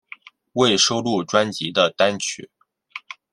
未收录专辑的单曲